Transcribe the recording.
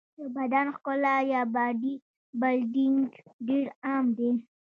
د بدن ښکلا یا باډي بلډینګ ډېر عام دی.